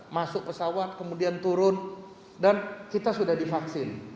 masuk pesawat kemudian turun dan kita sudah divaksin